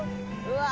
うわ！